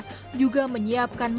sampai jumpa di video selanjutnya